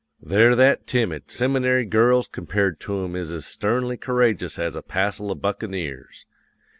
They're that timid, seminary girls compared to 'em is as sternly courageous as a passel of buccaneers.